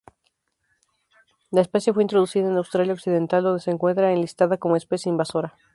La especie fue introducida en Australia Occidental, donde se encuentra enlistada como especie invasora.